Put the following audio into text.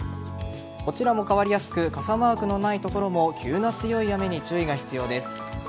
こちらも変わりやすく傘マークのない所も急な強い雨に注意が必要です。